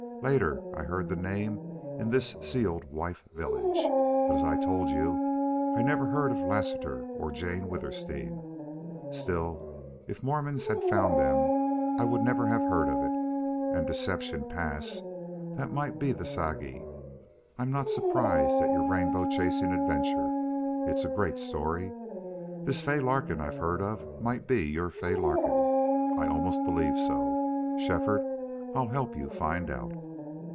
Later I heard the name in this sealed wife village. But, as I told you, I never heard of Lassiter or Jane Withersteen. Still, if Mormons had found them I would never have heard of it. And Deception Pass that might be the Sagi.... I'm not surprised at your rainbow chasing adventure. It's a great story.... This Fay Larkin I've heard of MIGHT be your Fay Larkin I almost believe so. Shefford, I'll help you find out."